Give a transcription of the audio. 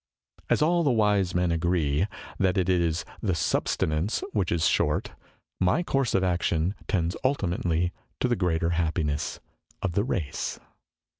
As all the wise men agree that it is the subsistence which is short, my course of action tends ultimately to the greater happiness of the race."